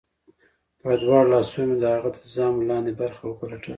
په دواړو لاسو مې د هغه د ژامو لاندې برخه وپلټله